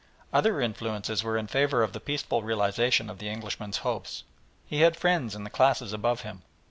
Other influences were in favour of the peaceful realisation of the Englishman's hopes. He had friends in the classes above him.